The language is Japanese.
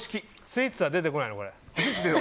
スイーツは出てこない。